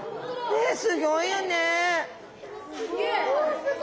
ねっすギョいね！